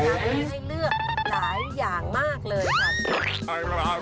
อันนี้ให้เลือกหลายอย่างมากเลยค่ะ